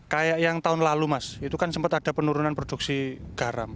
kayak yang tahun lalu mas itu kan sempat ada penurunan produksi garam